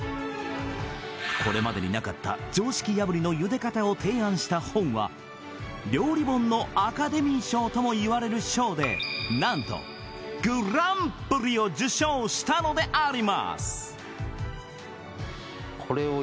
これまでになかった常識破りのゆで方を提案した本は料理本のアカデミー賞ともいわれる賞で何とグランプリを受賞したのであります